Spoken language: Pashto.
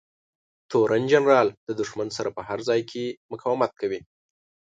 تورن جنرال د دښمن سره په هر ځای کې مقاومت کوي.